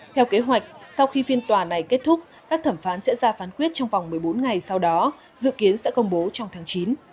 theo kế hoạch sau khi phiên tòa này kết thúc các thẩm phán sẽ ra phán quyết trong vòng một mươi bốn ngày sau đó dự kiến sẽ công bố trong tháng chín